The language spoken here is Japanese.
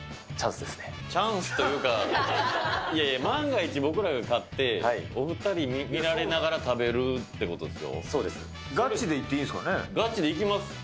チャンスというか、いやいや、万が一僕らが勝って、お２人に見られながら食べるってことですよ。